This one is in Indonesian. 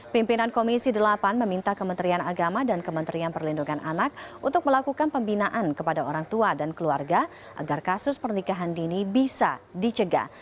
pimpinan komisi delapan meminta kementerian agama dan kementerian perlindungan anak untuk melakukan pembinaan kepada orang tua dan keluarga agar kasus pernikahan dini bisa dicegah